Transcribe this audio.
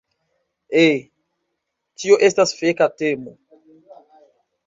Eh, tio estas feka temo.